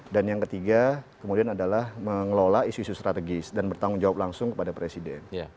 dan yang ketiga kemudian adalah mengelola isu isu strategis dan bertanggung jawab langsung kepada presiden